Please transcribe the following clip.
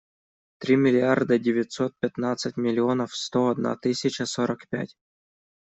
Три миллиарда девятьсот пятнадцать миллионов сто одна тысяча сорок пять.